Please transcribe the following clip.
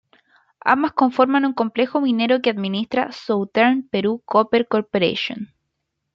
Ambas conforman un complejo minero que administra "Southern Perú Copper Corporation".